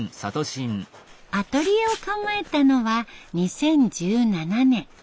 アトリエを構えたのは２０１７年。